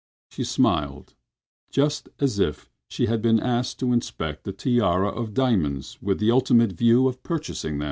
She smiled, just as if she had been asked to inspect a tiara of diamonds with the ultimate view of purchasing it.